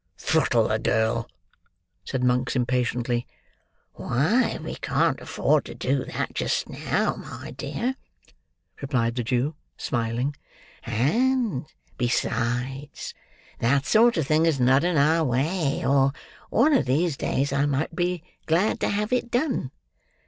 "Throttle the girl!" said Monks, impatiently. "Why, we can't afford to do that just now, my dear," replied the Jew, smiling; "and, besides, that sort of thing is not in our way; or, one of these days, I might be glad to have it done.